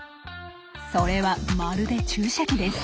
それはまるで注射器です。